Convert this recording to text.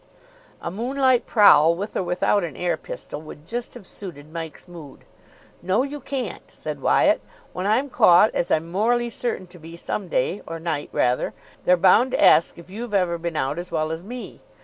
A moonlight prowl, with or without an air pistol, would just have suited Mike's mood. "No, you can't," said Wyatt. "When I'm caught, as I'm morally certain to be some day, or night rather, they're bound to ask if you've ever been out as well as me.